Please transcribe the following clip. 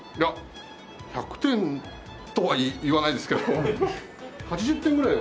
１００点とは言わないですけど８０点ぐらいは。